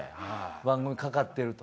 番組かかってると。